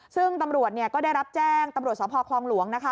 ซึ่งตำรวจก็ได้รับแจ้งตำรวจสพคลองหลวงนะคะ